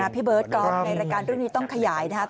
ยังไงเราก็ต้องไปต่อยังไงเราก็ต้องไปต่อยังไงเราก็ไม่ตาย